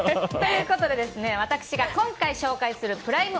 私が今回紹介するプライム